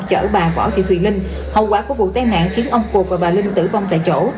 chở bà võ thị thùy linh hậu quả của vụ tai nạn khiến ông cuộc và bà linh tử vong tại chỗ